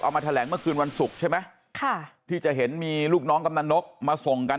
มาแถลงเมื่อคืนวันศุกร์ใช่ไหมค่ะที่จะเห็นมีลูกน้องกำนันนกมาส่งกัน